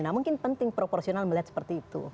nah mungkin penting proporsional melihat seperti itu